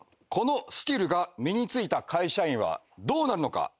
このスキルが身に付いた会社員はどうなるのか？